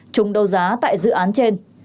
trùng đầu giá tại dự án trên